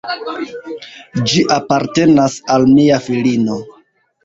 Ĝi apartenas al mia filino.